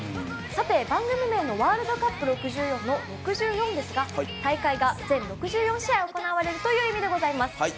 番組名の「ワールドカップ６４」の６４ですが大会が全６４試合行われるという意味であります。